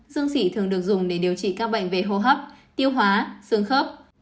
xương sỉ thường được dùng để điều trị các bệnh về hô hấp tiêu hóa xương khớp